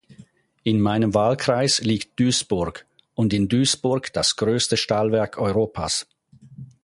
In meinem Wahlkreis liegt Duisburg und in Duisburg das größte Stahlwerk Europas.